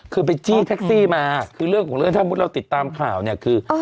คือไปจี้แท็กซี่มาคือเรื่องของเรื่องถ้ามุติเราติดตามข่าวเนี่ยคือ